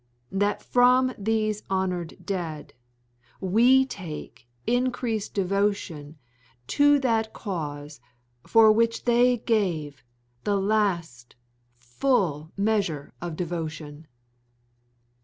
. .that from these honored dead we take increased devotion to that cause for which they gave the last full measure of devotion.